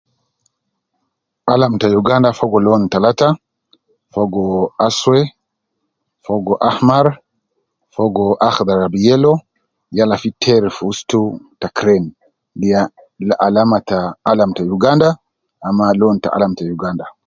Alam ta uganda fogo lon talata, fogo aswe, fogo ahumar, fogo ahudhar, abu ( yellow) yala fi teri fi ustu ta ( crane). Ya alama ta alam ta uganda, ama alam ta lon ta uganda.